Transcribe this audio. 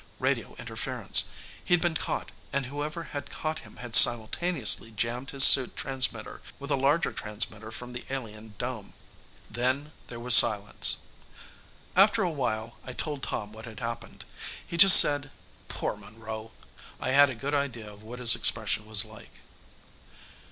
Radio interference! He'd been caught, and whoever had caught him had simultaneously jammed his suit transmitter with a larger transmitter from the alien dome. Then there was silence. After a while, I told Tom what had happened. He just said, "Poor Monroe." I had a good idea of what his expression was like.